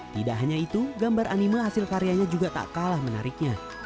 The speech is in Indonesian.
tidak hanya itu gambar anima hasil karyanya juga tak kalah menariknya